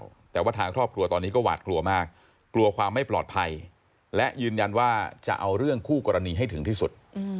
แต่ว่าทางครอบครัวตอนนี้ก็หวาดกลัวมากกลัวความไม่ปลอดภัยและยืนยันว่าจะเอาเรื่องคู่กรณีให้ถึงที่สุด